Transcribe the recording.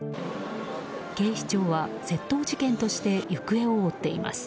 警視庁は窃盗事件として行方を追っています。